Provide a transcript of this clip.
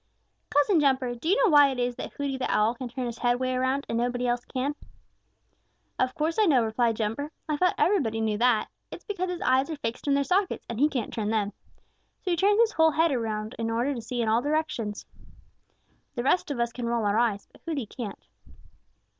"Cousin Jumper, do you know why it is that Hooty the Owl can turn his head way around, and nobody else can?" "Of course I know," replied Jumper. "I thought everybody knew that. It's because his eyes are fixed in their sockets, and he can't turn them. So he turns his whole head in order to see in all directions. The rest of us can roll our eyes, but Hooty can't."